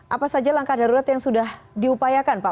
apa saja langkah darurat yang sudah diupayakan pak